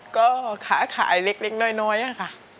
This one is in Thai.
ก็ค้าขายเล็กน้อยค่ะ